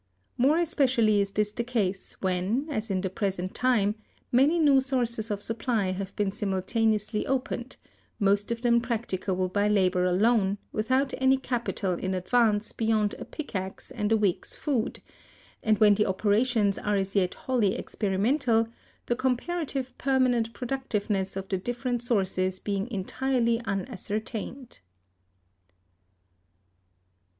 More especially is this the case when, as at the present time, many new sources of supply have been simultaneously opened, most of them practicable by labor alone, without any capital in advance beyond a pickaxe and a week's food, and when the operations are as yet wholly experimental, the comparative permanent productiveness of the different sources being entirely unascertained.